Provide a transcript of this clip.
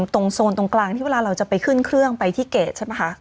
ตรงโซนตรงกลางที่เวลาเราจะไปขึ้นเครื่องไปที่เกรดใช่ไหมคะ